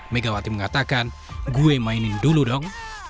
megawati mengatakan gue mainin dulu dong